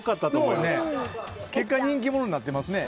結果、人気者になってますね。